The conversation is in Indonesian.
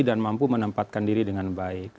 dan mampu menempatkan diri dengan baik